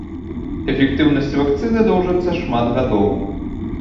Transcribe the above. Эфектыўнасць вакцыны доўжыцца шмат гадоў.